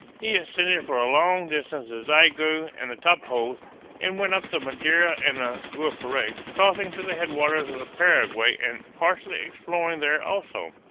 He ascended for long distances the Xingu and the Tapajos, and went up the Madeira and Guapore, crossing to the head waters of the Paraguay and partially exploring there also.